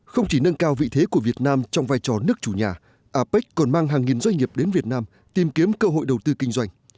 không chỉ nâng cao vị thế của việt nam trong vai trò nước chủ nhà apec còn mang hàng nghìn doanh nghiệp đến việt nam tìm kiếm cơ hội đầu tư kinh doanh